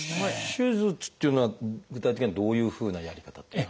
手術っていうのは具体的にはどういうふうなやり方っていうのがあるんですか？